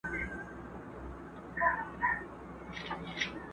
دا زړه نه دی په کوګل کي مي سور اور دی.!